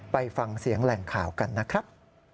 ไปฟังเสียงแหล่งข่าวกันนะครับ